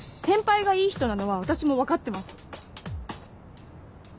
先輩がいい人なのは私も分かってます。